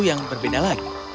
yang berbeda lagi